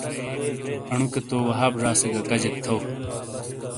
انوکے تو وہاب زا سے گہ کجیک تھو۔